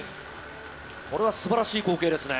これは素晴らしい光景ですね。